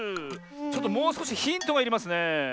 ちょっともうすこしヒントがいりますねえ。